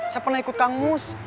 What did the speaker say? saya pernah ikut kang mus